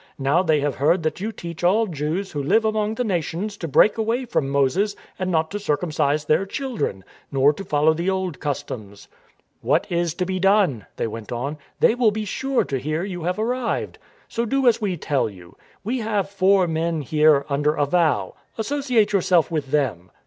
Now they have heard that you teach all Jews who live among the Nations to break away from Moses and not to circumcise their children, nor to follow the old customs. *' What is to be done ?" they went on. " They will be sure to hear you have arrived. So do as we tell you. We have four men here under a vow; associate yourself with them.